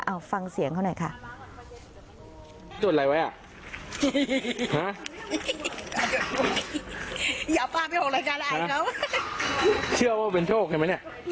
เอาฟังเสียงเขาหน่อยค่ะ